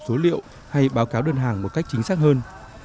để tìm hiểu liệu hay báo cáo đơn hàng một cách chính xác hơn